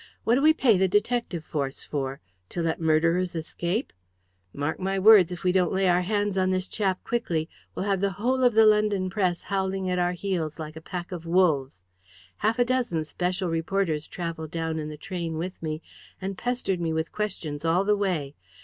What do we pay the detective force for? To let murderers escape?' Mark my words, if we don't lay our hands on this chap quickly, we'll have the whole of the London press howling at our heels like a pack of wolves. Half a dozen special reporters travelled down in the train with me and pestered me with questions all the way.